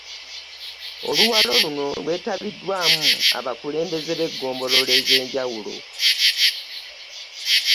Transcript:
Oluwalo luno kwetabiddwamu abakulembeze b'eggombolola ez'enjawulo